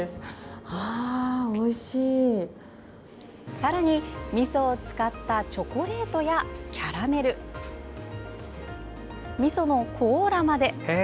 さらに、みそを使ったチョコレートやキャラメルみそのコーラまで。